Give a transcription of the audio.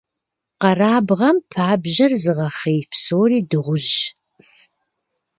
Къэрабгъэм пабжьэр зыгъэхъей псори дыгъужь.